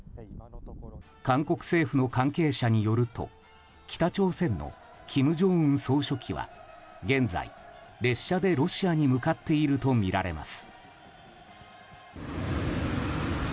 韓国政府の関係者によると北朝鮮の金正恩総書記は現在、列車でロシアに向かっているとみられます。